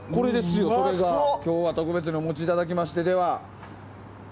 今日は特別にお持ちいただきました。